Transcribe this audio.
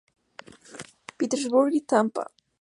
Petersburg y Tampa.